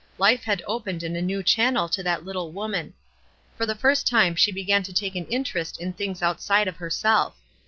Life had opened in a new channel to that little woman. For the first time she began to take an interest in things outside of herself.